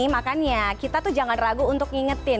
makanya kita tuh jangan ragu untuk ngingetin